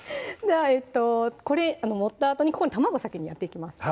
これ盛ったあとにここに卵先にやっていきます